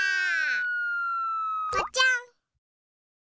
ぽちゃん。